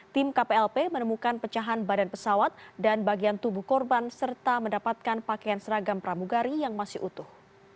tim kplp menemukan pecahan badan pesawat dan bagian tubuh korban serta mendapatkan pakaian seragam pramugari yang masih utuh